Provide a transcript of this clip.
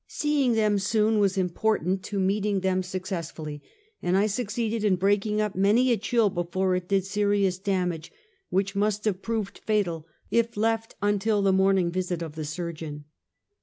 Seeing them soon was impor tant to meeting them successfully, and I succeeded in breaking up many a chill before it did serious dam age, which must have proved fatal if left until the morning visit of the Surgeon.